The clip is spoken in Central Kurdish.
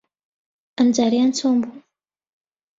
ئەمجارەیان چۆن بوو؟